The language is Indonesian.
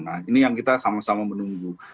nah ini yang kita sama sama menunggu